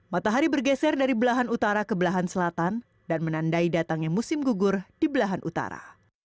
matahari bergeser dari belahan utara ke belahan selatan dan menandai datangnya musim gugur di belahan utara